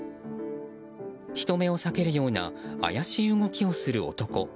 人目を避けるような怪しい動きをする男。